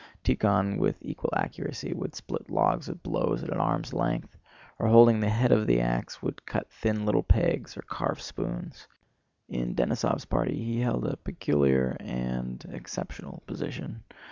Tíkhon with equal accuracy would split logs with blows at arm's length, or holding the head of the ax would cut thin little pegs or carve spoons. In Denísov's party he held a peculiar and exceptional position.